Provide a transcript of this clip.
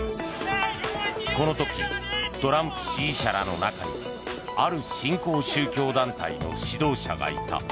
この時、トランプ支持者らの中にある新興宗教団体の指導者がいた。